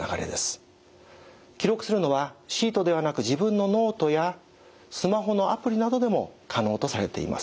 記録するのはシートではなく自分のノートやスマホのアプリなどでも可能とされています。